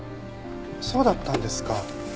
そうだったんですか。